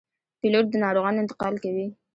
پیلوټ د ناروغانو انتقال کوي.